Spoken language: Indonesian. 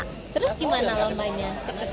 terus gimana lombanya